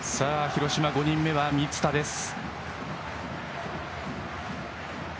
広島、５人目は満田です。